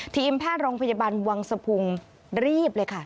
ทีมแพทย์โรงพยาบาลวังสะพุงรีบเลยค่ะ